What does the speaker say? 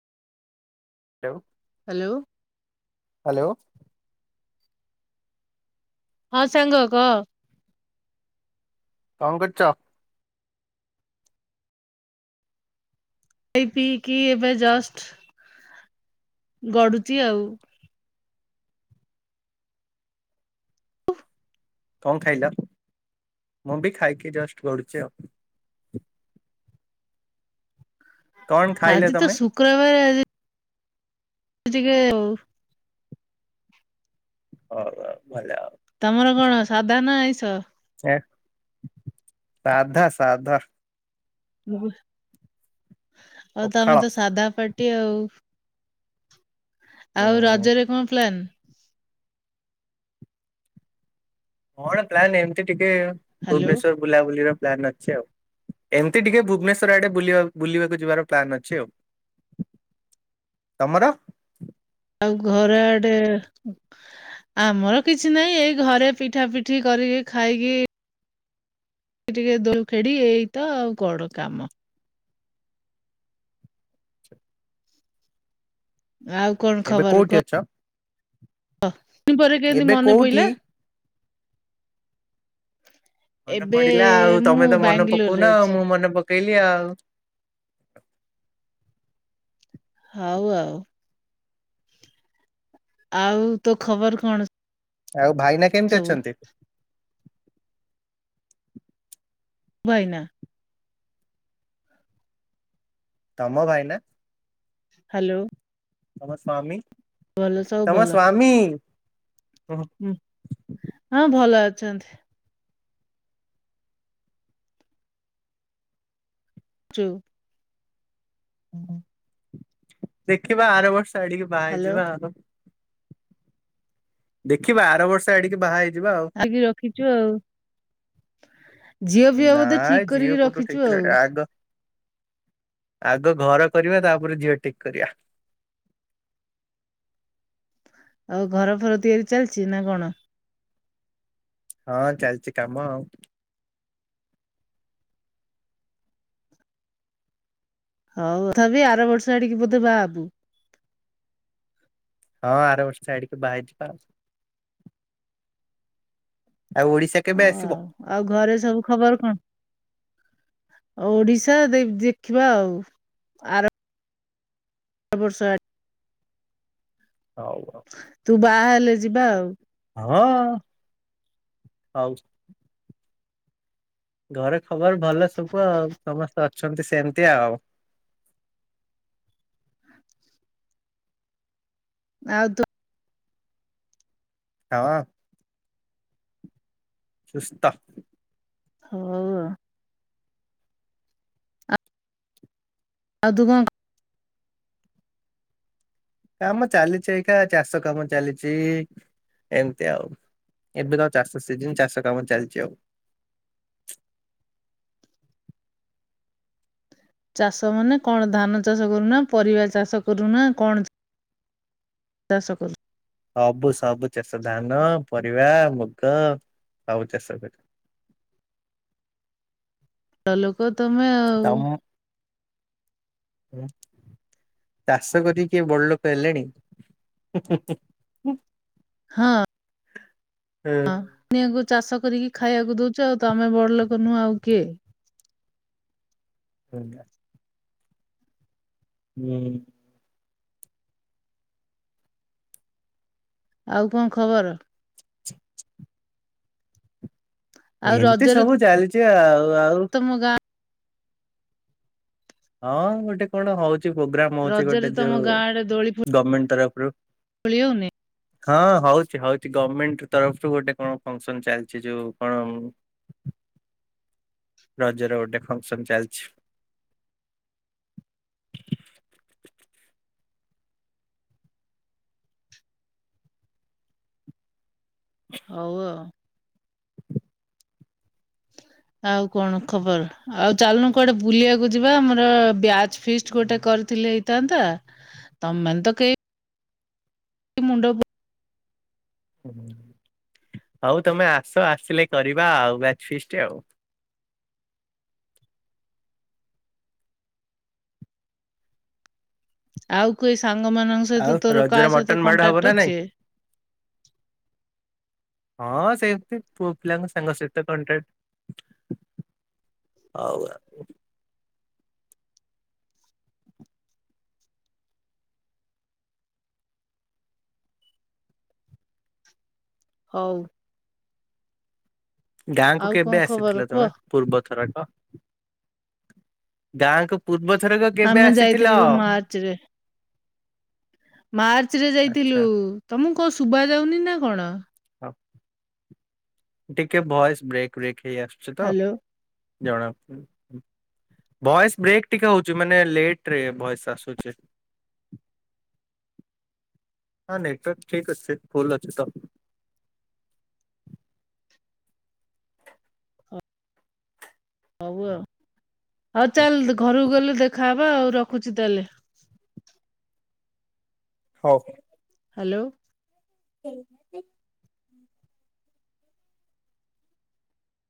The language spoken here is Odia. ହାଲୋ। ହାଲୋ। ହାଲୋ। ହଁ ସାଙ୍ଗ କହ। କଣ କରୁଚ। ଖାଇ ପିଇକି ଏବେ ଜଷ୍ଟ ଗଡୁଛି ଆଉ। କଣ ଖାଇଲ ମୁଁ ବି ଖାଇକି ଜଷ୍ଟ ଗଡୁଛି ଆଉ। କଣ ଖାଇଲେ ଆଜି ତ ତମେ? ଶୁକ୍ରବାର ଆଜି। ସେ ଟିକେ ଆଉ। ହଉ ଭଲ। ତମର କଣ ସାଧା ନା ଆଇଁଷ। ସାଧା ସାଧା। ମୁ। ଆଉ ପଖାଳ। ତମେ ତ ସାଧା ପାଟି ଆଉ। ଆଉ ହୁଁ ରଜରେ କଣ ପ୍ଲାନ। କଣ ପ୍ଲାନ ଏମିତି ଟିକ କେ ହ୍ୟାଲୋ ଭୁବନେଶ୍ଵର ବୁଲାବୁଲିର। ପ୍ଲାନ ଅଛି ଆଉ ଏମିତି ଟିକେ ଭୁବନେଶ୍ଵର ଆଡେ ବୁଲିବା ବୁଲିବାକୁ ଯିବାର ପ୍ଲାନ ଅଛି ଆଉ ତମର। ଆଉ ଘରେ ଆଡେ ଆମର କିଛି ନାହିଁ ଏଇ ଘରେ ପିଠା ପିଠି କରିକି ଖାଇକି। ଟିକେ ଦୋଲ ଖେଡି ଏଇତ ଆଉ କଣ କାମ। ଆଉ କଣ ଏବେ ଖବର କୋଉଠି କହ। ଅଛ? ହଁ ପରେ କେମତି ଏବେ ମନେ କୋଉଠି? ପଇଲା ମନେ ଏବେ ପଡିଲା ଆଉ ମୁଁ ତମେ ତ ମନେ ବାଙ୍ଗାଲୋରରେ ପକଉନ ଅଛି। ମୁଁ ମନେ ପକ କିଲ ଆଉ ହଉ ଆଉ ଆଉ ତୋ ଖବର କଣ ଅ ଆଉ ଭାଇନା କେମିତି ଅଛନ୍ତି ଭାଇ ନା ତମ ଭାଇ ନା ହ୍ୟାଲୋ ତମସ୍ଵାମୀ ତମର ସ୍ଵାମୀ ହଁ ହଁ ଭଲ ଅଛି ଅଛନ୍ତି ଯଉ ହୁ ଦେଖିବା ଆର ବର୍ଷ ଶାଡିକି ହ୍ୟାଲୋ ବାହାରିଯିବା ଆଉ [inaudible] ଦେଖିବା ଆର ବର୍ଷ ଆଡିକି ବାହା ହେଇ ଆଖି ରଖିଛୁ ଆଉ। ଝିଅ ପିଅ ନା ବୋଧେ ଠିକ ଝିଅ କରିକି କୋଉଠୁ ଠିକ ରଖିଛୁ ଆଉ। କଲାଣି [inaudible] ଆଗ ଘର କରିବା ତାପରେ ଝିଅ ଠିକ କରିବା। [inaudible] ଆଉ ଘର ଫର ତିଆରି ଚାଲିଛି ନା କଣ? ହଁ ଚାଲିଛି କାମ ଆଉ ହଉ ତଥାପି ଆର ବର୍ଷ ଆଡିକି ବୋଧେ ବାହାହବୁ। ହଁ ଆର ବର୍ଷ ସାଇଡିକି ବାହାରିଛି ପା [inaudible] ହଁ ଆସିବ? ଆଉ ଆଉ ଘରେ ସବୁ ଖବର କଣ? ଓଡିଶା ଦେଖିବା ଆଉ ଆର ଆର ବର୍ଷ ଆ ହଉ। ଆଉ। ତୁ ବାହା ହେଲେ ଯିବା ଆଉ। ହଁ [inaudible] ହଉ ଘରେ ଖବର ଭଲ ସବୁ ଆଉ ସମସ୍ତେ ଅଛନ୍ତି ସେମିତି ଆଉ [inaudible] ଆଉ ତ [unintelligible] ସୁସ୍ଥ। ହଉ ଆଉ ତୁ କ କାମ ଚାଲିଛି ଏଇକା ଚାଷ କାମ ଚାଲିଛି ଏମତି ଆଉ ଏବେ ତ ଚାଷ ସିଜନ୍ ଚାଷ କାମ ଚାଲିଛି ଆଉ [inaudible] ଚାଷ ମାନେ କଣ ଧାନ ଚାଷ କରୁନା ପରିବା ଚାଷ କରୁନା କଣ ଚାଷ କରୁ ସବୁ ସବୁ ଚାଷ ଧାନ ପରିବା ମୁଗ ଆଉ ଚାଷ କରେ। [inaudible] ତା ଲୋକ ତମେ ଆଉ ତମ ଚାଷ କରିକି କିଏ ବଡଲୋକ୍ ହେଲେଣି। ହଁ [inaudible] ହ ହୁଁ ନି ଚାଷ କରିକି ଖାଇବାକୁ ଦଉଛୁ ତମେ ବଡ ଲୋକ୍ ନୁହେଁ ଆଉ କିଏ? ହୁଁ। ହୁଁ। ଆଉ କଣ ଖବର? [inaudible] ଆଉ ଏମିତି ରଜରେ ସବୁ ଚାଲିଛି ଆଉ ଆଉ ତମ ଗାଁ ହଁ ଗୋଟେ କଣ ହଉ ପ୍ରୋଗ୍ରାମ୍ ଅଛି ଗୋଟେ ରଜରେ ତମ ଯୋଉ ଗାଁ ଆଡେ ଦୋଳି ଫୋ ଗ ମ୍ମେଣ୍ଟ ତରଫ୍ ରୁ। ଦୋଳି ହଉନି ହଁ ହଉଛି ହଉଛି ଗଭର୍ଣମେଣ୍ଟ ତରଫରୁ ଗୋଟେ କଣ ଫଂକ୍ସନ୍ ଚାଲିଛି ଯୋଉ କଣ ରଜର ଗୋଟେ ଫଙ୍କସନ୍ ଚାଲିଛି ହଉ ଆଉ ଆଉ କଣ ଖବର ଆଉ ଚାଲନୁ କୁଆଡେ ବୁଲିବାକୁ ଯିବା ଆମର ବ୍ୟାଚ୍ ଫିଷ୍ଟ୍ ଗୋଟେ କରିଥିଲେ ହେଇଥାନ୍ତା। ତମେନ୍ତ କେହି ମୁଣ୍ଡ ବୁ ହଉ ତମେ ଆସ ଆସିଲେ କରିବା ଆଉ ବ୍ୟାଚ୍ ଫିଷ୍ଟ୍। ଆଉ କୋ ଇସ୍ ସାଙ୍ଗ ମାନଙ୍କ ଆଉ ସହିତ ତୋର ରଜରେ କାହା ସହିତ ମଟନ ତୋର କାହା ସହିତ ମାଡ ହବ ନା କଣ୍ଟାକ୍ଟ ନାଇଁ? ଅଛି। ହଁ ସେମିତି ପୁଅ ପିଲାଙ୍କ ସାଙ୍ଗ ସହିତ କଣ୍ଟାକ୍ଟ ହଉ ଗାଁ କୁ ଆଉ କଣ କେବେ ଖବର ଆସିଥିଲ କୁହ? ତମେ ପୁର୍ବ ଥରକ ଗାଁ କୁ ପୂର୍ବ ଥରକ କେବେ ଆମେ ଆସିଥିଲ? ଯାଇଥିଲୁ ମାର୍ଚ ରେ ଯାଇଥିଲୁ ଆଚ୍ଛା ତମକୁ କଣ ଶୁଭା ଯାଉନି ନା କଣ? ହଁ ଟିକେ ଭଏସ୍ ବ୍ରେକ୍ ବେକ୍ ହେଇ ଆସୁଛି ତ ହ୍ୟାଲୋ। ଜଣା ଭଏସ୍ ବ୍ରେକ୍ ଟିକେ ହୋଉଛି। ମାନେ ଲେଟ୍ ରେ ଭଏସ୍ ଆସୁଛି। ହଁ ନେଟୱାର୍କ ଠିକ୍ ଅଛି ଫୁଲ୍ ଅଛି ତ ହଉ ଆ ହଉ ଚାଲ୍ ଘରକୁ ଗଲେ ଦେଖା ହବ। ହବ ଆଉ ରଖୁଛି ତାହେଲେ। ହଉ। ହାଲୋ। ସେ।